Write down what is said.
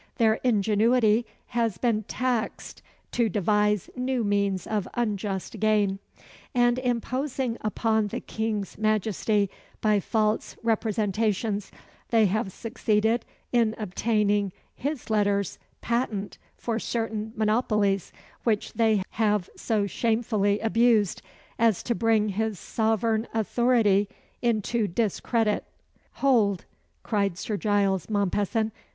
Their ingenuity has been taxed to devise new means of unjust gain; and, imposing upon the King's Majesty by false representations, they have succeeded in obtaining his letters patent for certain monopolies, which they have so shamefully abused, as to bring his sovereign authority into discredit." "Hold!" cried Sir Giles Mompesson.